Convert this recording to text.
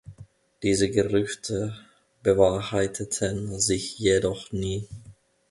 Diese Gerüchte bewahrheiteten sich jedoch nie.